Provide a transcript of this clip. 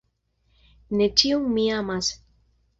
Ne ĉiun mi amas.